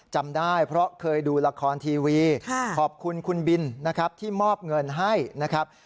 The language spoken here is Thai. จำได้เพราะเคยดูละครทีวีขอบคุณคุณบินนะครับที่มอบเงินให้นะครับ